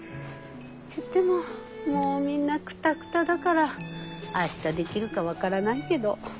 といってももうみんなクタクタだから明日できるか分からないけど。